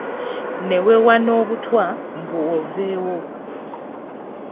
Ne weewa n’obutwa mbu oveewo.